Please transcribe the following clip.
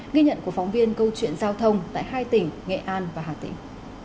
ghi nhận của phóng viên câu chuyện giao thông tại hai tỉnh nghệ an và hà tĩnh